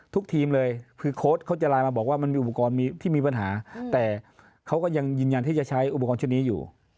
ทีมเลยคือโค้ดเขาจะไลน์มาบอกว่ามันมีอุปกรณ์ที่มีปัญหาแต่เขาก็ยังยืนยันที่จะใช้อุปกรณ์ชุดนี้อยู่